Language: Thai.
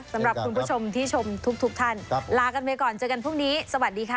สำหรับคุณผู้ชมที่ชมทุกท่านลากันไปก่อนเจอกันพรุ่งนี้สวัสดีค่ะ